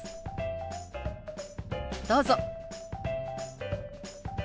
どうぞ。